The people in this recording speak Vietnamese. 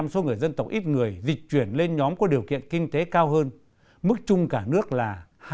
ba mươi tám số người dân tộc ít người dịch chuyển lên nhóm có điều kiện kinh tế cao hơn mức trung cả nước là hai mươi tám